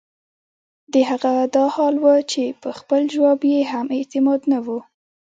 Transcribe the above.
د هغه دا حال وۀ چې پۀ خپل جواب ئې هم اعتماد نۀ وۀ